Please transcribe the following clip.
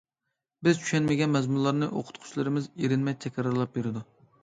بىز چۈشەنمىگەن مەزمۇنلارنى ئوقۇتقۇچىلىرىمىز ئېرىنمەي تەكرارلاپ بېرىدۇ.